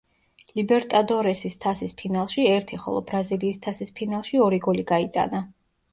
ლიბერტადორესის თასის ფინალში ერთი, ხოლო ბრაზილიის თასის ფინალში ორი გოლი გაიტანა.